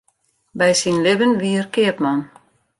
By syn libben wie er keapman.